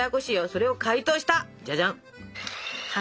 それを解凍したじゃじゃん。